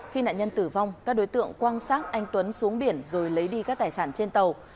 khi nạn nhân tử vong các đối tượng quang xác anh tuấn xuống biển rồi lấy đi các tài sản trên tàu